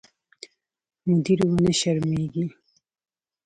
مدیر ونه شرمېږي.